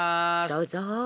どうぞ。